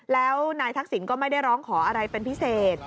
แล้วนายทักษิณก็ไม่ได้ร้องขออะไรเป็นพิเศษ